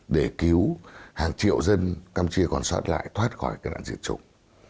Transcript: để cứu hàng triệu dân campuchia còn soát lại thoát khỏi cái nạn diệt chủng